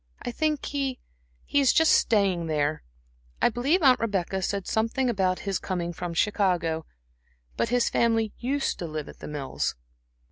"I think he he is just staying there I believe Aunt Rebecca said something about his coming from Chicago. But his family used to live at The Mills."